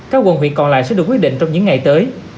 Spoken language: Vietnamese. các quận huyện còn lại sẽ được quyết định trong những ngày tới